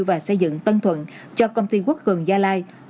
và xây dựng tân thuận cho công ty quốc cường gia lai